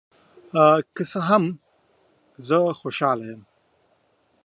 که څه هم، زه خوشحال یم.